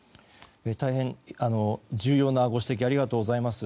大変重要なご指摘ありがとうございます。